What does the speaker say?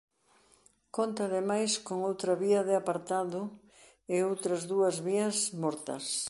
Conta ademais con outra vía de apartado e outras dúas vías mortas.